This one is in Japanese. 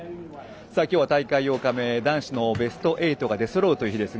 今日は大会８日目男子のベスト８が出そろう日です。